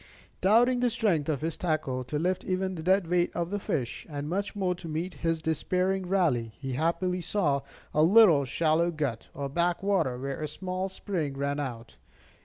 Doubting the strength of his tackle to lift even the dead weight of the fish, and much more to meet his despairing rally, he happily saw a little shallow gut, or back water, where a small spring ran out.